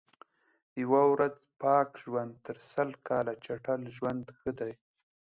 یوه ورځ پاک ژوند تر سل کال چټل ژوند ښه دئ.